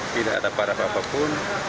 tidak ada para bapak pun